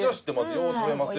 よう食べますよ。